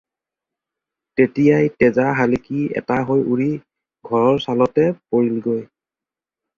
তেতিয়াই তেজা শালিকী এটা হৈ উৰি ঘৰৰ চালতে পৰিলগৈ।